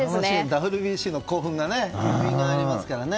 ＷＢＣの興奮がよみがえりますからね。